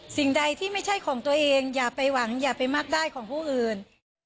สิ่งใดที่ไม่ใช่ของตัวเองอย่าไปหวังอย่าไปมักได้ของผู้อื่น